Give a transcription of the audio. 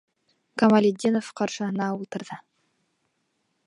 Камалетдинов ҡаршыһына ултырҙы.